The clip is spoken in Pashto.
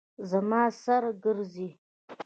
زما سر ګرځي